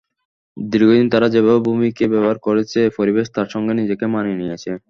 দীর্ঘদিন তারা যেভাবে ভূমিকে ব্যবহার করেছে, পরিবেশ তার সঙ্গে নিজেকে মানিয়ে নিয়েছে।